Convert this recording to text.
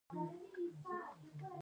غزني د افغانستان د جغرافیې بېلګه ده.